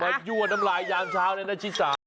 มันยั่วน้ำลายยามเช้านี่นะชิคกี้พาย